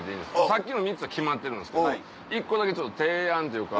さっきの３つは決まってるんですけど１個だけ提案というか。